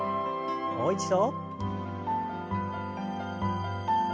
もう一度。